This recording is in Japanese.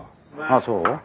あっそう？